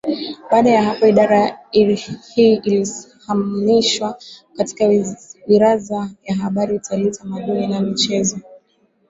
Baada ya hapo Idara hii ilihamishwa katika Wiraza ya Habari Utalii Utamaduni na Michezo